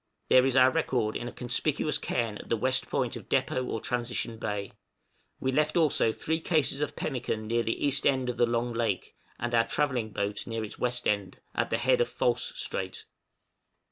There is our record in a conspicuous cairn at the west point of Depôt or Transition Bay: we left also three cases of pemmican near the east end of the Long Lake, and our travelling boat near its west end, at the head of False Strait.